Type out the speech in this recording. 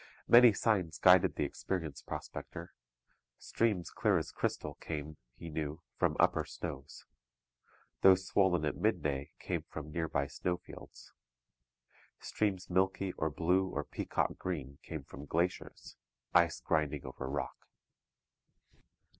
Many signs guided the experienced prospector. Streams clear as crystal came, he knew, from upper snows. Those swollen at midday came from near by snowfields. Streams milky or blue or peacock green came from glaciers ice grinding over rock.